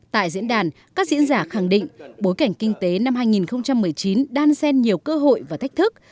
tại diễn đàn các diễn giả khẳng định bối cảnh kinh tế năm hai nghìn một mươi chín đan xen nhiều cơ hội và thách thức